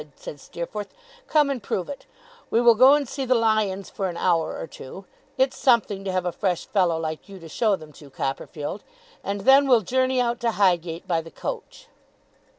said Steerforth. 'Come and prove it. We will go and see the lions for an hour or two it's something to have a fresh fellow like you to show them to, Copperfield and then we'll journey out to Highgate by the coach.